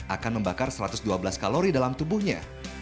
akan membakar satu ratus dua belas kalori dalam tubuhnya